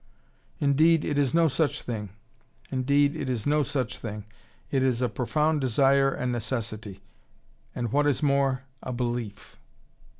"Indeed, it is no such thing. Indeed, it is no such thing. It is a profound desire and necessity: and what is more, a belief."